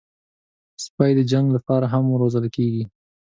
سپي د جنګ لپاره هم روزل کېږي.